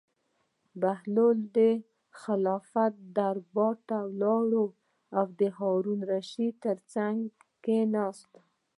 بهلول د خلافت دربار ته لاړ او د هارون الرشید تر څنګ کېناست.